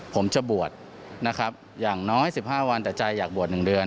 ผมจะบวชนะครับอย่างน้อย๑๕วันแต่ใจอยากบวช๑เดือน